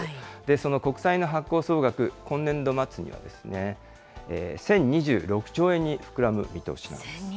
その国債の発行総額、今年度末には１０２６兆円に膨らむ見通しなんです。